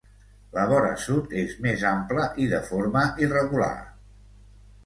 La vora sud és més ampla i de forma irregular.